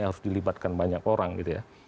harus dilibatkan banyak orang gitu ya